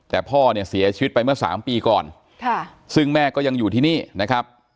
แต่พ่อเนี่ยเสียชีวิตไปเมื่อสามปีก่อนซึ่งแม่ก็ยังอยู่ที่นี่นะครับ